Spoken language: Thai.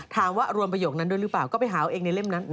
รวมประโยคนั้นด้วยหรือเปล่าก็ไปหาเอาเองในเล่มนั้น